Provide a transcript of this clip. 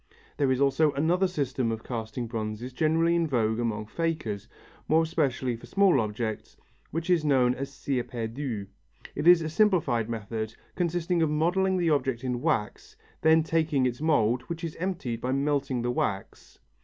There is also another system of casting bronzes greatly in vogue among fakers, more especially for small objects, which is called cire perdu. It is a simplified method, consisting of modelling the object in wax, then taking its mould, which is emptied by melting the wax.